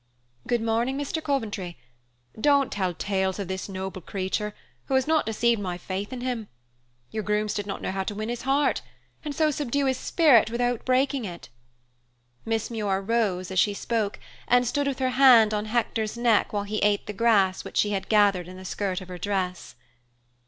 "Good morning, Mr. Coventry. Don't tell tales of this noble creature, who has not deceived my faith in him. Your grooms did not know how to win his heart, and so subdue his spirit without breaking it." Miss Muir rose as she spoke, and stood with her hand on Hector's neck while he ate the grass which she had gathered in the skirt of her dress.